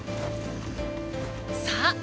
さあ！